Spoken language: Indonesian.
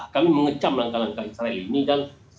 kami mengecam langkah langkah israel ini dan